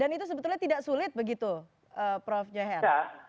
dan itu sebetulnya tidak sulit begitu prof jehel